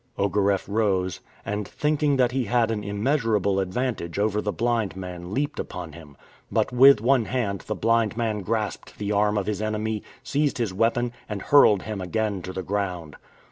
Ogareff rose, and, thinking he had an immeasurable advantage over the blind man leaped upon him. But with one hand, the blind man grasped the arm of his enemy, seized his weapon, and hurled him again to the ground.